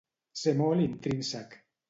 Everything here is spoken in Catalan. Ser molt intrínsec.